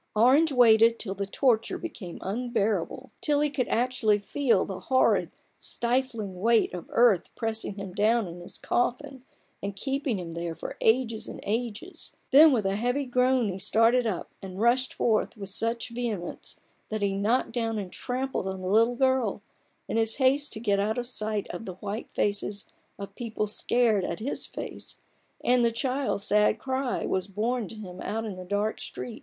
Orange watted till the torture became unbearable, till he could actually feel the horrid, stifling weight of earth pressing him down in his coffin, and keeping him there for ages and ages : then with a heavy groan he started up, and rushed forth with such vehemence, that he knocked down and trampled on the little girl, in his haste to get out of sight of the white faces of people scared at his face, and the child's sad cry was borne to him out in the dark street.